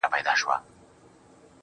اې د قوتي زلفو مېرمني در نه ځمه سهار.